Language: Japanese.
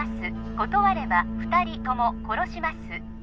断れば２人とも殺します